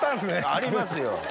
ありますよ。